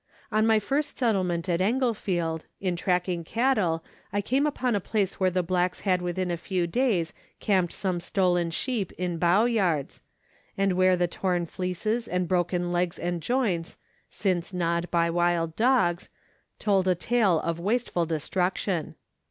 On my first settlement at Englefield, in tracking cattle I came upon a place where the blacks had within a few days camped some stolen sheep in bough yards, and where the torn fleeces and broken legs and joints, since gnawed by wild dogs, told a tale of wasteful destruction.